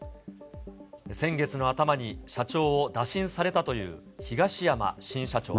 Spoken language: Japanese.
先月の頭に社長を打診されたという東山新社長は。